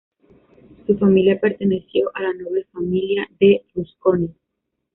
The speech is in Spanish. Su familia perteneció a la noble familia de Rusconi.